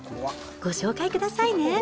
ご紹介くださいね。